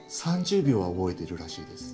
３０秒は覚えているらしいです。